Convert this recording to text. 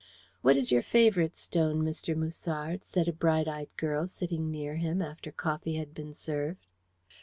"What is your favourite stone, Mr. Musard?" said a bright eyed girl sitting near him, after coffee had been served.